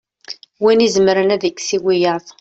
wi izemren ad ikkes i wiyaḍ